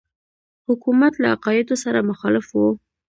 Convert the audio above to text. حکومت له عقایدو سره مخالف وو.